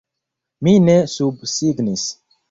Mi ne subsignis!